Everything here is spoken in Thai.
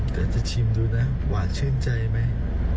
เดี๋ยวจะชิมดูนะหวานเชื่อใจไหม